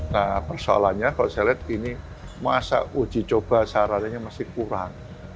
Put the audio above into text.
nah persoalannya kalau saya lihat ini masa uji coba sarannya masih kurang